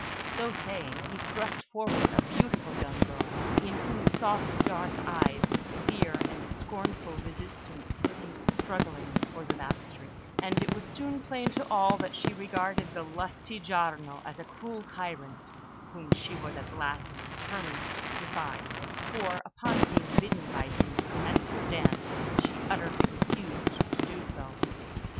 So saying, he thrust forward a beautiful young girl, in whose soft dark eyes fear and scornful resistance seemed struggling for the mastery; and it was soon plain to all that she regarded the lusty Giarno as a cruel tyrant, whom she was at last determined to defy, for, upon being bidden by him to commence her dance, she utterly refused to do so.